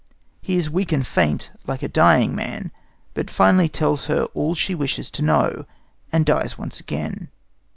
He is weak and faint, like a dying man, but finally tells her all she wishes to know, and dies once again.